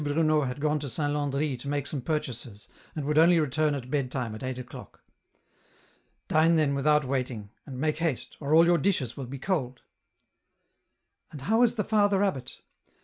Bruno had gone to Saint Landry to make some purchases, and would only return at bed time at eight o'clock. " Dine then without waiting, and make haste, or all your dishes will be cold," " And how is the father abbot